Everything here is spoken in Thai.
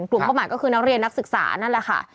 กลุ่มประมาณก็คือนักเรียนนักศึกษานั่นแหละค่ะ